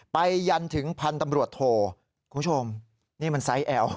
ยันถึงพันธุ์ตำรวจโทคุณผู้ชมนี่มันไซส์แอล